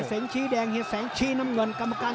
หรือว่าผู้สุดท้ายมีสิงคลอยวิทยาหมูสะพานใหม่